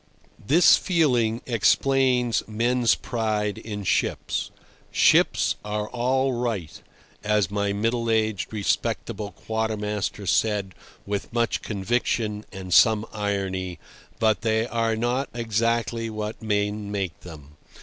This feeling explains men's pride in ships. "Ships are all right," as my middle aged, respectable quartermaster said with much conviction and some irony; but they are not exactly what men make them.